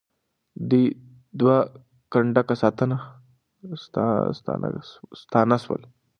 دوی دوه کنډکه ستانه سول.